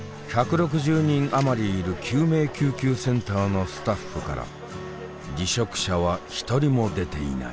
１６０人余りいる救命救急センターのスタッフから離職者は一人も出ていない。